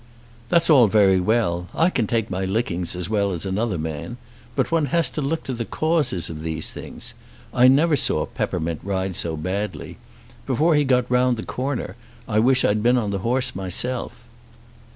"That's all very well. I can take my licking as well as another man. But one has to look to the causes of these things. I never saw Peppermint ride so badly. Before he got round the corner I wished I'd been on the horse myself."